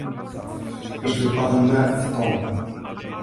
اجلب بعض الماء لتوم.